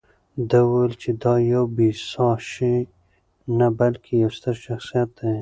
ده وویل چې دا یو بې ساه شی نه، بلکې یو ستر شخصیت دی.